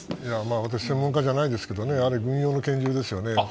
私は専門家ではないですがあれは軍用の拳銃ですよね。